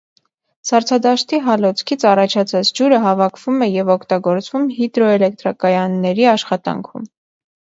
Սառցադաշտի հալոցքից առաջացած ջուրը հավաքվում է և օգտագործվում հիդրոէլեկտրակայանների աշխատանքում։